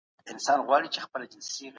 درواغ ټولنه خرابوي.